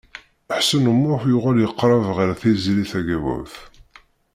Ḥsen U Muḥ yuɣal yeqreb ɣer Tiziri Tagawawt.